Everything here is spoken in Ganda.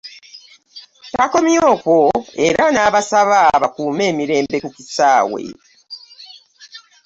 Takomye okwo era n'abasaba bakuume emirembe ku kisaaawe